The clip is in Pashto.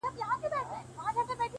o زه ، ته او سپوږمۍ.